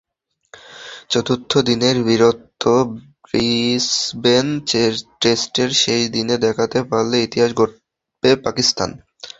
চতুর্থ দিনের বীরত্ব ব্রিসবেন টেস্টের শেষ দিনে দেখাতে পারলে ইতিহাসই গড়বে পাকিস্তান।